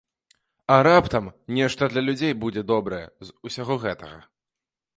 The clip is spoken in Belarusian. А раптам нешта для людзей будзе добрае з усяго гэтага.